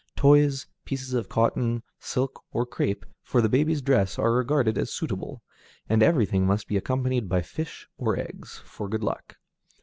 Toys, pieces of cotton, silk, or crêpe for the baby's dress are regarded as suitable; and everything must be accompanied by fish or eggs, for good luck.